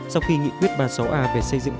sau khi nghị quyết ba mươi sáu a về xây dựng